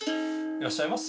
「いらっしゃいませ」。